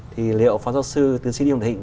thì liệu phó giáo sư tướng sĩ điều thịnh